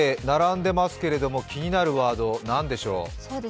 並んでますけど、気になるワード、何でしょう？